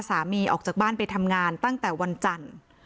ออกจากบ้านไปทำงานตั้งแต่วันจันทร์